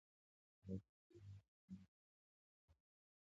پلاستيکي لوښي کورونو کې مروج دي.